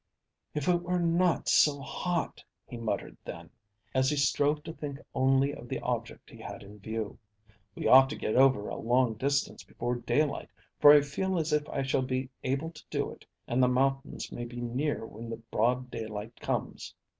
"If it were not so hot!" he muttered then, as he strove to think only of the object he had in view. "We ought to get over a long distance before daylight, for I feel as if I shall be able to do it, and the mountains may be near when the broad daylight comes."